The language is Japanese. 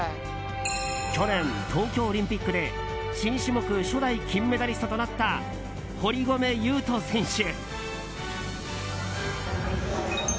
去年、東京オリンピックで新種目初代金メダリストとなった堀米雄斗選手。